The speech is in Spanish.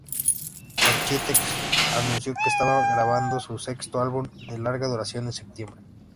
Architects anunció que estaban grabando su sexto álbum de larga duración en septiembre.